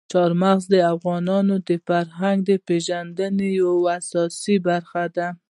چار مغز د افغانانو د فرهنګي پیژندنې یوه اساسي برخه ده.